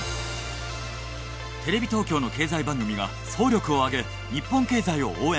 テレビ東京の経済番組が総力をあげ日本経済を応援。